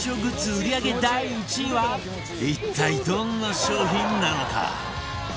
売り上げ第１位は一体どんな商品なのか？